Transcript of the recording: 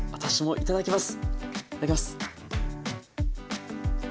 いただきます。